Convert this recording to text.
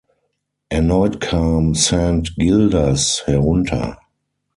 Erneut kam Saint-Gildas herunter.